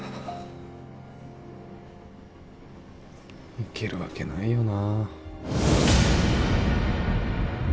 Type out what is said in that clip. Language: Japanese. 行けるわけないよな